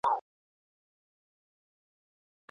کار کوه چي ژوند ښه سي او تل بريا درسره مل وي په لار .